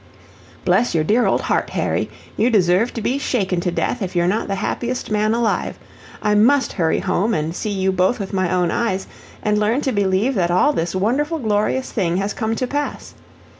"Bless your dear old heart, Harry, you deserve to be shaken to death if you're not the happiest man alive. I MUST hurry home and see you both with my own eyes, and learn to believe that all this wonderful glorious thing has come to pass.